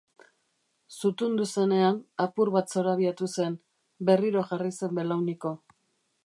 Zutundu zenean, apur bat zorabiatu zen, berriro jarri zen belauniko.